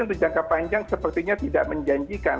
untuk jangka panjang sepertinya tidak menjanjikan